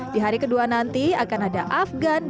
di hari kedua nanti akan ada afghan dan arabi